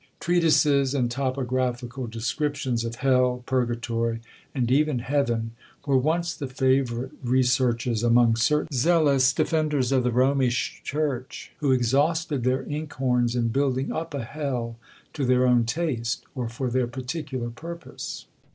Treatises and topographical descriptions of HELL, PURGATORY, and even HEAVEN, were once the favourite researches among certain zealous defenders of the Romish Church, who exhausted their ink horns in building up a Hell to their own taste, or for their particular purpose.